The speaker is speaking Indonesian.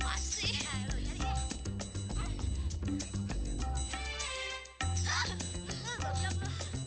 peng peng peng